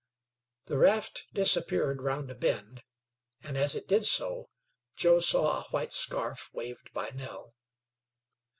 The raft disappeared round a bend, and as it did so Joe saw a white scarf waved by Nell.